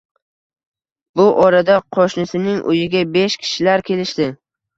Bu orada qoʻshnisining uyiga besh kishilar kelishdi.